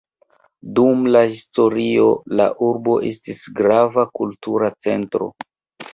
Dum la historio la urbo estis grava kultura centro.